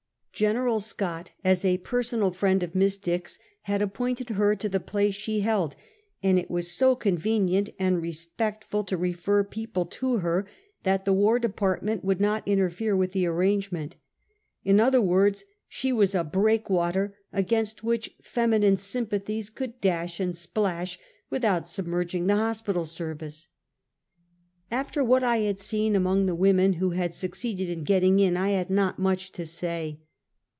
Gen. Scott, as a personal friend of Miss Dix, had appointed her to the place she held, and it was so convenient and respect ful to refer people to her, that the War Department would not interfere with the arrangement. In other words, she was a break water against which feminine sympathies could dash and splash without submerg ing the hospital service. After what I had seen among the women who had succeeded in getting in, I had not much to say.